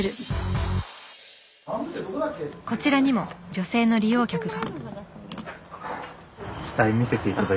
こちらにも女性の利用客が。